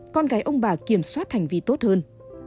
con gái ông bà kiểm soát hành vi tốt hơn